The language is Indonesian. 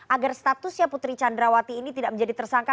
agar statusnya putri candrawati ini tidak menjadi tersangka